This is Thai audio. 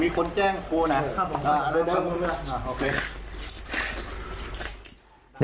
มีคนแจ้งโปรดนะ